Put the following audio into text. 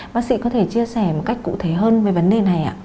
bác sĩ có thể chia sẻ một cách cụ thể hơn về vấn đề này ạ